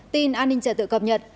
tin an ninh trật tự cập nhật